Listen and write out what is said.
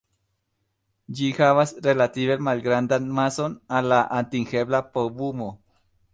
Ĝi havas relative malgrandan mason al la atingebla povumo.